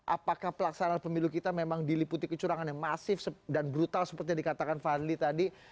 apakah pelaksanaan pemilu kita memang diliputi kecurangan yang masif dan brutal seperti yang dikatakan fadli tadi